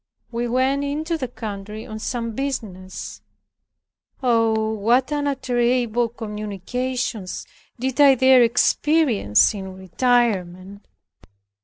We went into the country on some business. Oh! what unutterable communications did I there experience in retirement!